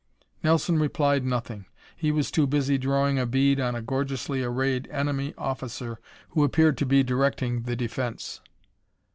Nelson replied nothing. He was too busy drawing a bead on a gorgeously arrayed enemy officer who appeared to be directing the defence.